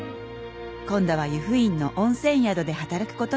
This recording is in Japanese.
「今度は湯布院の温泉宿で働くことにしました」